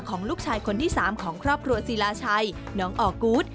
ของลูกชายคนที่๓ของครอบครัวศิลาชัยน้องออกูธ